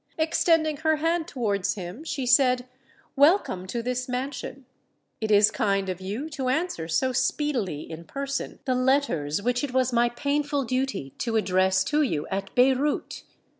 Extending her hand towards him, she said, "Welcome to this mansion: it is kind of you to answer so speedily in person the letters which it was my painful duty to address to you at Beyrout."